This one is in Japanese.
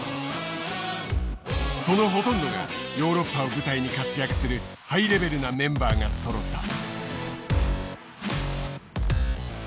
そのほとんどがヨーロッパを舞台に活躍するハイレベルなメンバーがそろった。